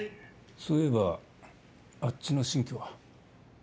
そういえばあっちの新居は？